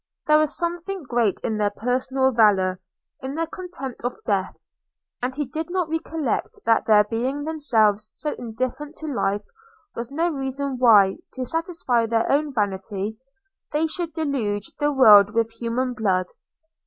There was something great in their personal valour, in their contempt of death; and he did not recollect that their being themselves so indifferent to life was no reason why, to satisfy their own vanity, they should deluge the world with human blood.